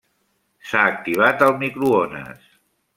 S'ha activat el microones.